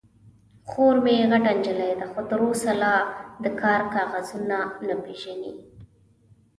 _خور مې غټه نجلۍ ده، خو تر اوسه لا د کار کاغذونه نه پېژني.